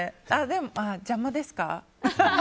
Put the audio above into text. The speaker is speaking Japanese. でも、邪魔ですか？